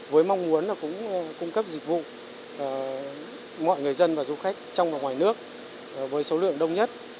với mong muốn cũng cung cấp dịch vụ mọi người dân và du khách trong và ngoài nước với số lượng đông nhất